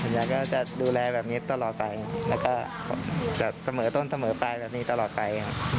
ยายก็จะดูแลแบบนี้ตลอดไปแล้วก็จะเสมอต้นเสมอไปแบบนี้ตลอดไปครับ